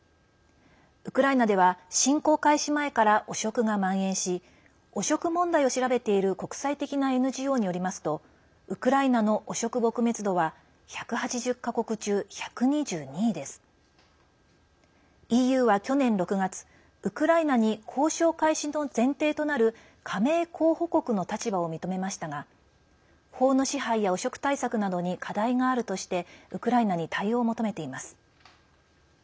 ウクライナでは侵攻開始前から汚職がまん延し汚職問題を調べている国際的なＮＧＯによりますとウクライナの汚職撲滅度は１８０か国中１２２位です。ＥＵは去年６月、ウクライナに交渉開始の前提となる加盟候補国の立場を認めましたが法の支配や汚職対策などに課題があるとしてウクライナに対応を求めています。